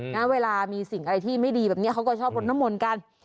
นะเวลามีสิ่งอะไรที่ไม่ดีแบบนี้เขาก็ชอบรดน้ำมนต์กัน